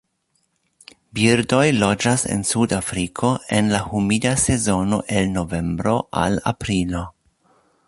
Birdoj loĝas en Sudafriko en la humida sezono el novembro al aprilo.